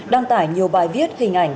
đăng tải nhiều bài viết hình ảnh